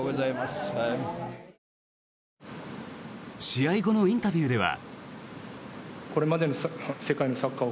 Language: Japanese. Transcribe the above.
試合後のインタビューでは。